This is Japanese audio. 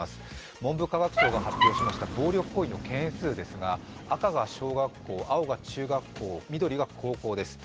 文部科学省が発表しました暴力行為の件数ですが、赤が小学校青が中学校、緑が高校です。